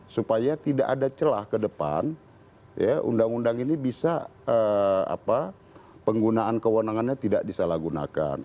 supaya tidak ada celah ke depan undang undang ini bisa penggunaan kewenangannya tidak disalahgunakan